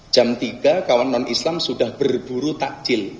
jam tiga kawan non islam sudah berburu takjil